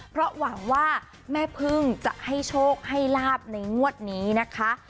เพราะหวังว่าแม่พึ่งจะให้โชคให้ลาบในงวดนี้นะคะ